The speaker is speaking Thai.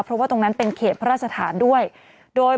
เพราะว่าตรงนั้นเป็นเขตพระราชฐานด้วยโดย